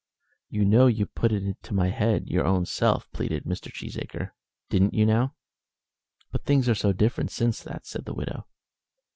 "You know you put it into my head your own self," pleaded Mr. Cheesacre. "Didn't you, now?" "But things are so different since that," said the widow.